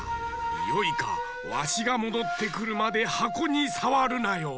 よいかわしがもどってくるまではこにさわるなよ。